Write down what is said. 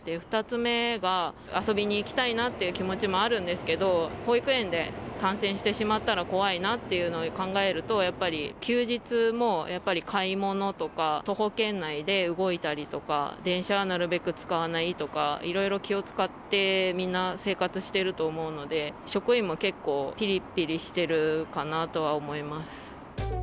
２つ目が、遊びに行きたいなっていう気持ちもあるんですけど、保育園で感染してしまったら怖いなっていうのを考えると、やっぱり休日も買い物とか徒歩圏内で動いたりとか、電車はなるべく使わないとか、いろいろ気を使ってみんな生活してると思うので、職員も結構、ぴりぴりしてるかなとは思います。